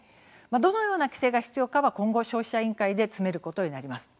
どのような規制が必要かは今後、消費者委員会で詰めることになります。